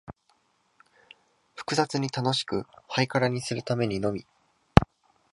複雑に楽しく、ハイカラにするためにのみ、